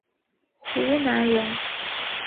湖南人。